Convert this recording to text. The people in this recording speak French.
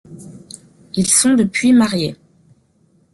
Ils sont depuis mariés.